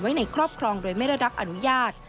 ในครอบครองโดยไม่ได้รับอนุญาต